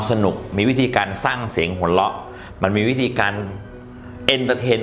สนุกมีวิธีการสร้างเสียงหัวเราะมันมีวิธีการเอ็นเตอร์เทน